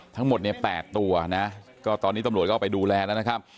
ทั้งหมด๘ตัวตอนนี้ตำรวจก็เอาไปดูแลแล้วนะครับ